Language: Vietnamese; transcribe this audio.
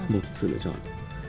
một sự lựa chọn